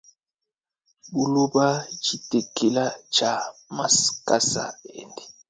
Buloba ntshitekelu tshia makasa ende.